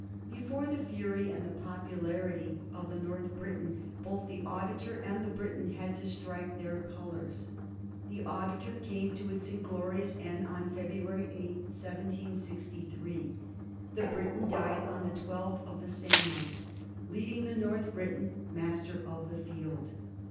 Before the fury and the popularity of the North Briton both the Auditor and the Briton had to strike their colors. The Auditor came to its inglorious end on February 8, 1763. The Briton died on the 12th of the same month, leaving the North Briton master of the field.